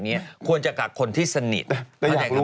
เสิร์ฟเป็นลองกล่องคือกลอยจะตาย